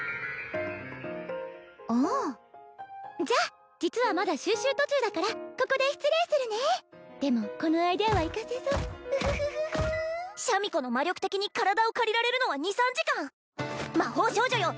ああじゃあ実はまだ収集途中だからここで失礼するねでもこのアイデアは生かせそうウフフフフシャミ子の魔力的に体を借りられるのは２３時間魔法少女よ